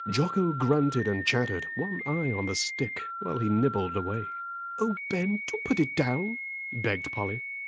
Jocko grunted and chattered, one eye on the stick, while he nibbled away. "Oh, Ben, do put it down," begged Polly.